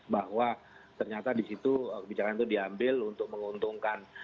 bahwa ternyata di situ kebijakan itu diambil untuk menguntungkan